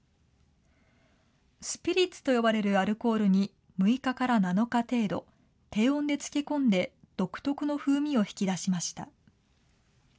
スピリッツと呼ばれるアルコールに６日から７日程度、低温で漬け込んで、独特の風味を引き出しました。